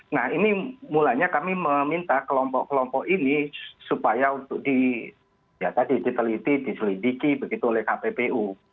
nah ini mulanya kami meminta kelompok kelompok ini supaya untuk di ya tadi diteliti diselidiki begitu oleh kppu